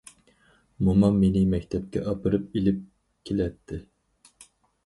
مومام مېنى مەكتەپكە ئاپىرىپ، ئېلىپ كېلەتتى.